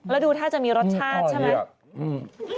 แล้วดูท่าจะมีรสชาติใช่ไหม